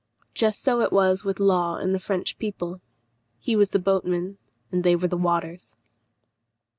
Just so it was with Law and the French people. He was the boatman, and they were the waters.